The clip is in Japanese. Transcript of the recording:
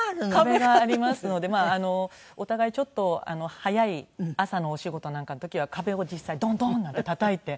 壁がありますのでお互いちょっと早い朝のお仕事なんかの時は壁を実際ドンドン！なんてたたいて。